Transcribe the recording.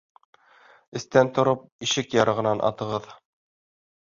Эстә тороп, ишек ярығынан атығыҙ.